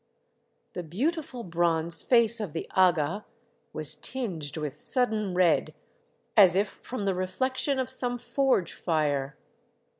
" The beautiful bronze face of the aga was tinged with sudden red, as if from the reflection of some forge fire.